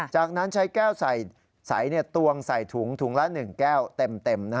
จากนั้นใช้แก้วใสตวงใส่ถุงถุงละ๑แก้วเต็ม